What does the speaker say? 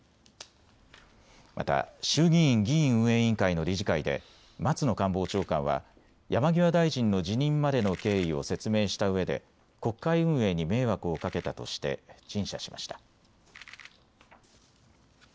また衆議院議院運営委員会の理事会で松野官房長官は山際大臣の辞任までの経緯を説明したうえで国会運営に迷惑をかけたとして陳謝しました。